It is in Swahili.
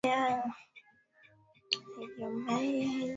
ngozi nao wamekuwa wakitetea kuwa ukubwa wa baraza la mawaziri